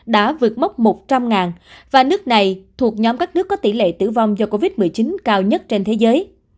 đã vượt mốc một trăm linh và nước này thuộc nhóm các nước có tỷ lệ tử vong do covid một mươi chín cao nhất trên thế giới